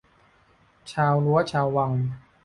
ชาวรั้วชาววัง